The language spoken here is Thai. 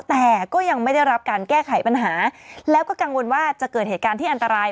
แต่ก็ยังไม่ได้รับการแก้ไขปัญหาแล้วก็กังวลว่าจะเกิดเหตุการณ์ที่อันตราย